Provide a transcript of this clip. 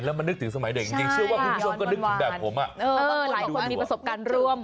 มันนึกถึงสมัยเด็กจริงเชื่อว่าคุณผู้ชมก็นึกถึงแบบผม